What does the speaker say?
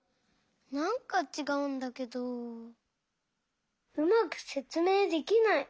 なんかちがうんだけどうまくせつめいできない。